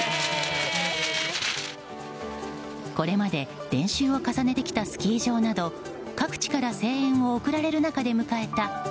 これまで練習を重ねてきたスキー場など各地から声援を送られる中で迎えた